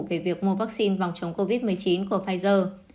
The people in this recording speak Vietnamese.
về việc mua vaccine phòng chống covid một mươi chín của pfizer